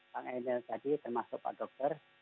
pak emel tadi termasuk pak dokter